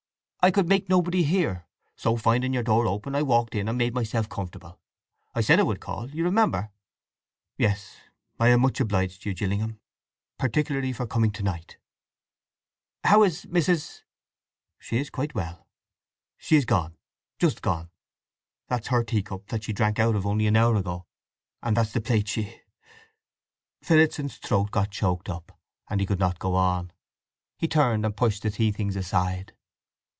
"I could make nobody hear; so finding your door open I walked in, and made myself comfortable. I said I would call, you remember." "Yes. I am much obliged to you, Gillingham, particularly for coming to night." "How is Mrs.—" "She is quite well. She is gone—just gone. That's her tea cup, that she drank out of only an hour ago. And that's the plate she—" Phillotson's throat got choked up, and he could not go on. He turned and pushed the tea things aside.